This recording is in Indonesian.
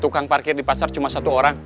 tukang parkir di pasar cuma satu orang